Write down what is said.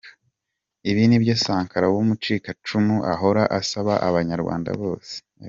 Ibi nibyo Sankara w’umucikacumu ahora asaba abanyarwanda bose.